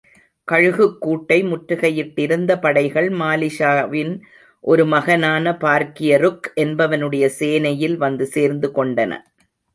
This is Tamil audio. கழுகுக் கூட்டை முற்றுகையிட்டிருந்த படைகள் மாலிக்ஷாவின் ஒரு மகனான பார்க்கியருக் என்பவனுடைய சேனையில் வந்து சேர்ந்து கொண்டன.